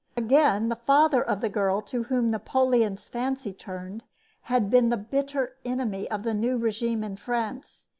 Again, the father of the girl to whom Napoleon's fancy turned had been the bitter enemy of the new regime in France.